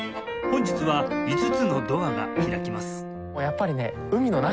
本日は５つのドアが開きます